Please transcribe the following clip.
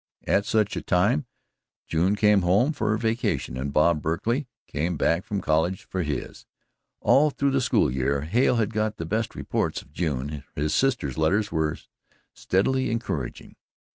At such a time June came home for her vacation, and Bob Berkley came back from college for his. All through the school year Hale had got the best reports of June. His sister's letters were steadily encouraging.